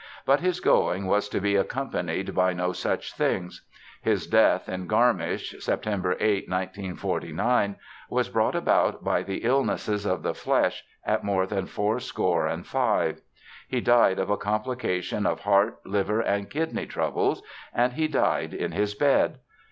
But his going was to be accompanied by no such things. His death in Garmisch, September 8, 1949, was brought about by the illnesses of the flesh at more than four score and five. He died of a complication of heart, liver and kidney troubles—and he died in his bed!